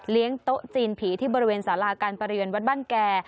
เลี้ยงโต๊ะจีนผีที่บริเวณสาลาการประเยินวัดบ้านแก่